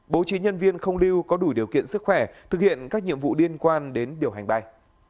bố trí nhân viên không lưu có đủ điều kiện sức khỏe thực hiện các nhiệm vụ liên quan đến điều hành bay